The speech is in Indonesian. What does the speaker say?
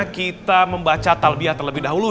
kita membaca talbiah terlebih dahulu